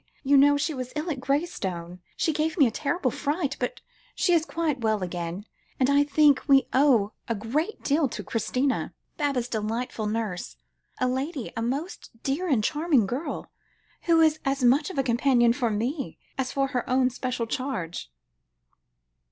You know she was ill at Graystone. She gave me a terrible fright, but she is quite well again, and I think we owe a great deal to Christina, Baba's delightful nurse a lady, a most dear and charming girl, who is as much of a companion for me, as for her own special charge."